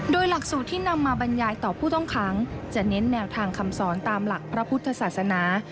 โดยหลักสูตรที่นำมาบรรยายต่อผู้ต้องขังจะเน้นแนวทางคำสอนตามหลักพระพุทธศาสนา